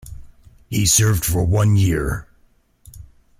He served for one year.